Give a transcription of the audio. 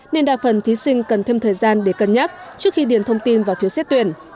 nên đa phần thí sinh cần thêm thời gian để cân nhắc trước khi điền thông tin vào phiếu xét tuyển